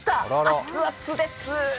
熱々です。